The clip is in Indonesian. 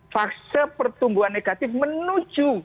fase pertumbuhan negatif menuju